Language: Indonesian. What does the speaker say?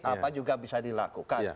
apa juga bisa dilakukan